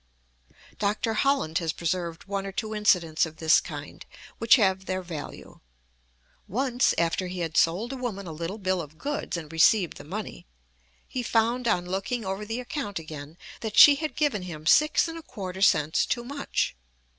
Dr. Holland has preserved one or two incidents of this kind, which have their value. Once, after he had sold a woman a little bill of goods and received the money, he found on looking over the account again that she had given him six and a quarter cents too much.